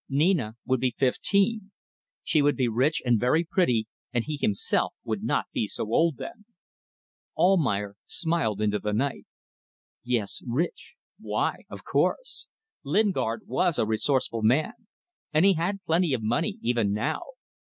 Nina would be fifteen. She would be rich and very pretty and he himself would not be so old then. ..." Almayer smiled into the night. ... Yes, rich! Why! Of course! Captain Lingard was a resourceful man, and he had plenty of money even now.